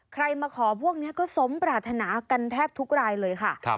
ใครมาขอพวกนี้ก็สมปรารถนากันแทบทุกรายเลยค่ะ